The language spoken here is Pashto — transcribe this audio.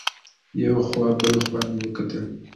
یو خوا بل خوا مې وکتل.